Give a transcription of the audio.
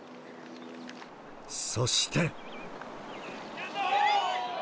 そして。